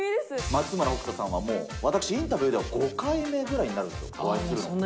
松村北斗さんはもう、私インタビューでは５回目ぐらいになるんですよ、お会いするの。